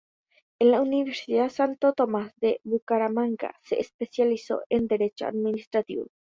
En la Universidad Santo Tomas de Bucaramanga se especializó en Derecho Administrativo.